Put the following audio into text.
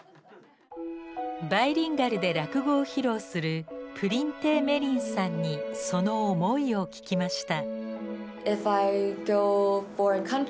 バイリンガルで落語を披露するぷりん亭芽りんさんにその思いを聞きました。